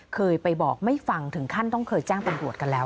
เคยไปบอกไม่ฟังถึงขั้นต้องเคยแจ้งตำรวจกันแล้ว